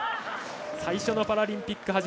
最初のパラリンピック